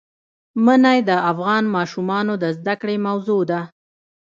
منی د افغان ماشومانو د زده کړې موضوع ده.